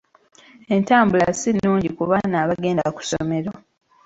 Entambula si nnungi ku baana abagenda ku ssomero.